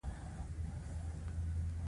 مسلمانانو ماتې وجه اضافات دي.